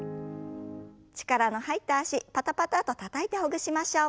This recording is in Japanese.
力の入った脚パタパタッとたたいてほぐしましょう。